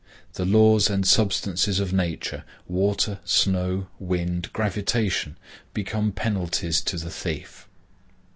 The laws and substances of nature,—water, snow, wind, gravitation,—become penalties to the thief.